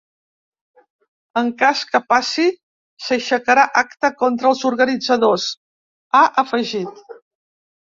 En cas que passi, s’aixecarà acta contra els organitzadors, ha afegit.